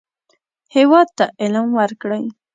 هېواد ته علم ورکړئ